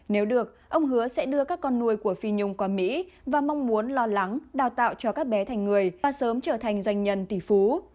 nếu được ông hứa sẽ đưa các con nuôi của phi nhung qua mỹ và mong muốn lo lắng đào tạo cho các bé thành người và sớm trở thành doanh nhân tỷ phú